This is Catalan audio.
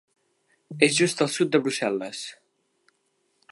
És just al sud de Brussel·les.